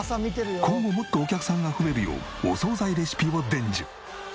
今後もっとお客さんが増えるようお惣菜レシピを伝授。